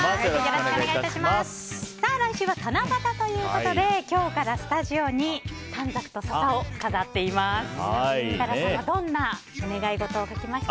来週は七夕ということで今日からスタジオに短冊と笹を飾っています。